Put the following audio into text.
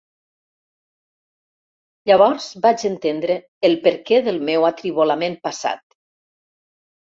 Llavors vaig entendre el perquè del meu atribolament passat.